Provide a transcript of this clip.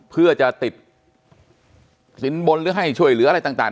เพื่อจะติดสินบนหรือให้ช่วยเหลืออะไรต่าง